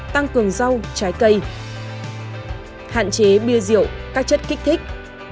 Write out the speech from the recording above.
tăng cường rau trái cây hạn chế bia rượu các chất kích thích